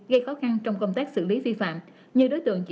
mèo rất là dễ thương